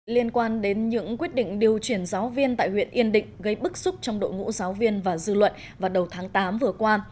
liên quan đến những quyết định điều chuyển giáo viên tại huyện yên định gây bức xúc trong đội ngũ giáo viên và dư luận vào đầu tháng tám vừa qua